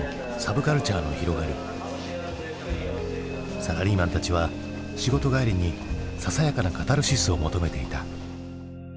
サラリーマンたちは仕事帰りにささやかなカタルシスを求めていた。